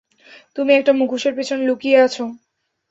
তুমি একটা মুখোশের পেছনে লুকিয়ে আছো!